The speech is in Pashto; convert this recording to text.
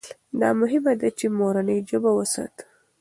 دا مهمه ده چې مورنۍ ژبه وساتو.